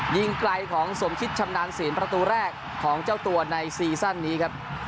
ยิงไกลของสมคิดชำนาญศีลประตูแรกของเจ้าตัวในซีซั่นนี้ครับ